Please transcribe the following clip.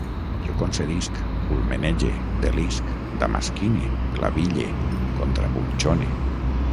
Jo concedisc, culmenege, delisc, damasquine, claville, contrapunxone